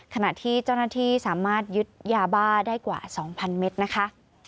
ขณะที่เจ้าหน้าที่สามารถยึดยาบ้าได้กว่า๒๐๐เมตรนะคะ